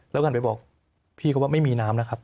แล้วกันไปบอกพี่เขาว่าไม่มีน้ำนะครับ